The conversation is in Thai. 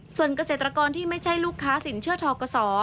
ส่วนเกษตรกรที่ไม่ใช่ลูกค้าสินเชื่อทกศ